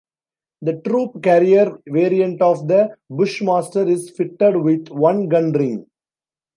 The troop carrier variant of the Bushmaster is fitted with one gun ring.